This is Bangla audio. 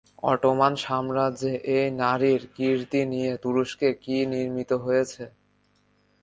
অটোমান সাম্রাজ্যে এই নারীর কীর্তি নিয়ে তুরস্কে কি নির্মিত হয়েছে?